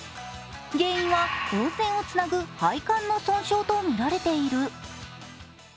原因は温泉をつなぐ配管の損傷とみられている。